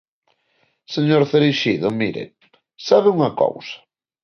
Señor Cereixido, mire, ¿sabe unha cousa?